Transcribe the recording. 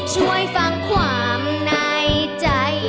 ช่วยฟังความในใจ